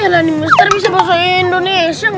ya elah nih mister bisa bahasa indonesia